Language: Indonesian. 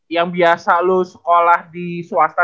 yang biasa lu sekolah di swasta